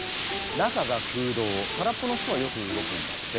中が空洞からっぽの人はよく動くんだって。